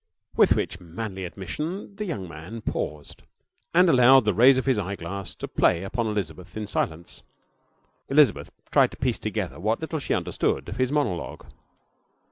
With which manly admission the young man paused, and allowed the rays of his eyeglass to play upon Elizabeth in silence. Elizabeth tried to piece together what little she understood of his monologue.